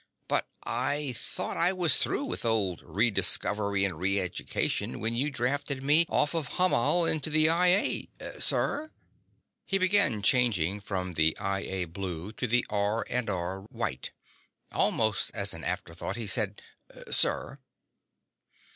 But I thought I was through with old Rediscovery & Reeducation when you drafted me off of Hamal into the I A ... sir." He began changing from the I A blue to the R&R white. Almost as an afterthought, he said: "... Sir."